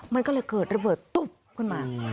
มันก็เลยเกิดระเบิดตุ๊บขึ้นมา